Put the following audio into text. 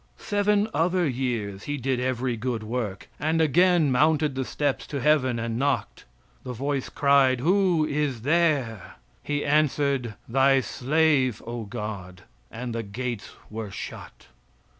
Seven other years he did every good work, and again mounted the steps to heaven and knocked. The voice cried, "Who is there?" He answered, "Thy slave, O God;" and the gates were shut.